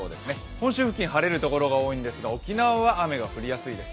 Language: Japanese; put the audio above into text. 本州付近晴れるところが多いんですが、沖縄は雨になりそうです。